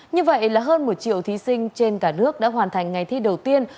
như vậy là hơn một triệu thí sinh trên cả nước đã hoàn thành ngày thi đầu tiên